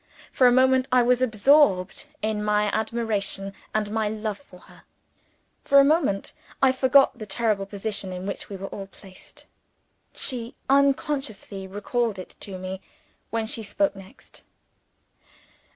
For a moment, I was absorbed in my admiration and my love for her. For a moment, I forgot the terrible position in which we were all placed. She unconsciously recalled it to me when she spoke next.